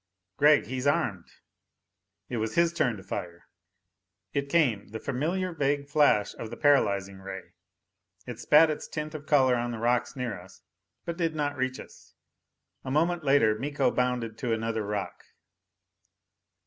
"Gregg, he's armed!" It was his turn to fire. It came the familiar vague flash of the paralyzing ray. It spat its tint of color on the rocks near us, but did not reach us. A moment later, Miko bounded to another rock.